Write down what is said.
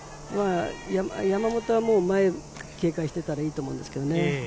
山本は前を警戒していたらいいと思うんですけどね。